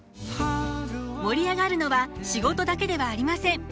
盛り上がるのは仕事だけではありません。